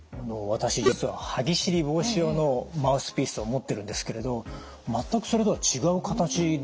私実は歯ぎしり防止用のマウスピースを持っているんですけれど全くそれとは違う形ですね。